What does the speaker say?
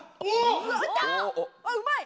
うまい！